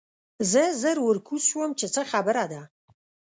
زه ژر ورکوز شوم چې څه خبره ده